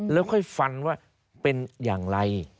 แล้วค่อยฟันว่าเป็นอย่างไร